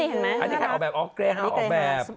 อันนี้ใครออกแบบออกแบบ